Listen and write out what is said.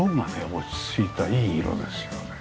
落ち着いたいい色ですよね。